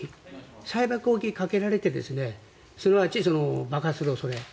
サイバー攻撃をかけられてすなわち爆発する恐れ。